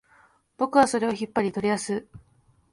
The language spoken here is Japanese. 僕はそれを引っ張り、取り出す